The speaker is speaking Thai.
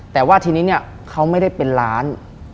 แต่ว่าทีนี้เนี่ยเขาไม่ได้เป็นล้าน